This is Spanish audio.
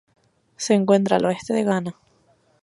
Se encuentra al oeste de Ghana.